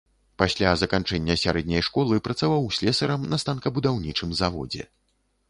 Пасля заканчэння сярэдняй школы працаваў слесарам на станкабудаўнічым заводзе.